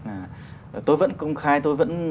là tôi vẫn công khai tôi vẫn